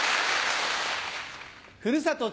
ふるさと